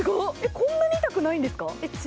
こんなに痛くないんですか。